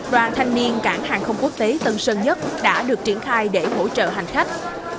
đoàn thanh niên cảng hàng không quốc tế tân sơn nhất đã được triển khai để hỗ trợ hành khách